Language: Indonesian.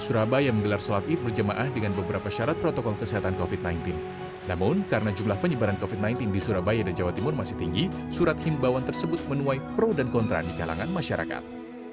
surabaya dan jawa timur masih tinggi surat himbawan tersebut menuai pro dan kontra di kalangan masyarakat